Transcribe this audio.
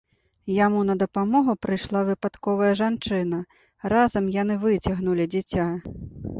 Яму на дапамогу прыйшла выпадковая жанчына, разам яны выцягнулі дзіця.